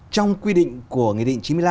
trong quy định của nghị định chín mươi năm